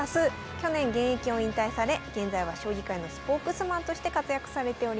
去年現役を引退され現在は将棋界のスポークスマンとして活躍されております。